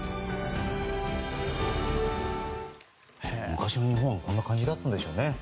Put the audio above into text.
昔の日本はこんな感じだったんでしょうね。